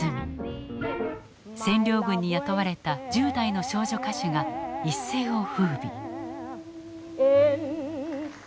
占領軍に雇われた１０代の少女歌手が一世を風靡。